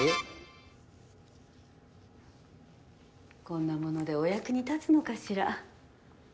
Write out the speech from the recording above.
こんなものでお役に立つのかしら？